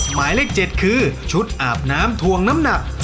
หมายเลข๗คือชุดอาบน้ำทวงน้ำหนัก